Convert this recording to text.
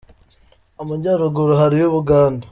Amajyaruguru hariyo u bugande.